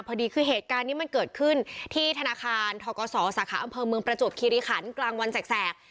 พอดีคือเหตุการณ์นี้มันเกิดขึ้นที่ธนาคารทกศสาขาอำเภอเมืองประจวบคิริขันกลางวันแสก